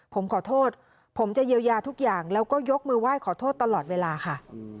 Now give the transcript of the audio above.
ผมขอโทษผมจะเยียวยาทุกอย่างแล้วก็ยกมือไหว้ขอโทษตลอดเวลาค่ะ